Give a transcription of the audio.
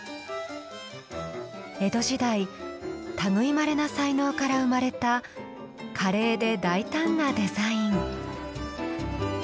江戸時代類いまれな才能から生まれた華麗で大胆なデザイン。